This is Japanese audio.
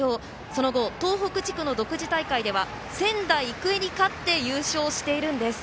その後東北地区の独自大会では仙台育英に勝って優勝しているんです。